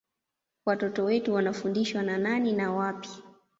Watoto wetu wanafundishwa na nani na wapi